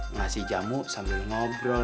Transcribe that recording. ngasih jamu sambil ngobrol